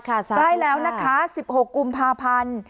ได้แล้วนะคะ๑๖กุมภาพันธ์